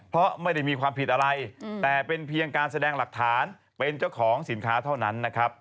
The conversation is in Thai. เพราะไม่ได้มีความผิดอะไรแต่เป็นเพียงการแสดงหลักฐานเป็นเจ้าของสินค้าเท่านั้นนะครับ